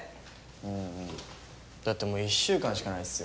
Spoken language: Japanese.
うんだってもう１週間しかないっすよ。